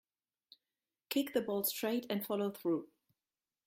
Kick the ball straight and follow through.